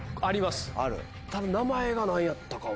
ただ名前が何やったかは。